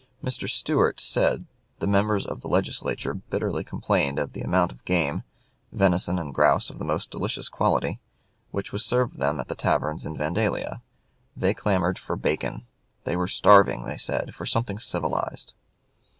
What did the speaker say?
Mr. Stuart said the members of the Legislature bitterly complained of the amount of game venison and grouse of the most delicious quality which was served them at the taverns in Vandalia; they clamored for bacon they were starving, they said, "for something civilized."